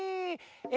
え